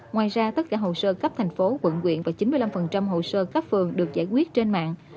ngoài ra tất cả hồ sơ cấp thành phố quận quyện và chín mươi năm hồ sơ cấp phường được giải quyết trên mạng